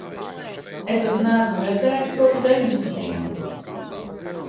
Es tos neesmu redzējis kopš deviņdesmitajiem.